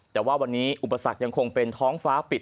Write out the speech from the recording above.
แต่ว่าวันนี้อุปสรรคยังคงเป็นท้องฟ้าปิด